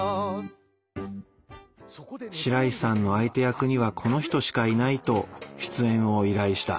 白石さんの相手役にはこの人しかいないと出演を依頼した。